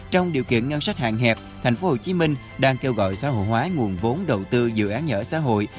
trong điều kiện ngân sách hạn hẹp tp hcm đang kêu gọi xã hội hóa nguồn vốn đầu tư dự án nhà ở xã hội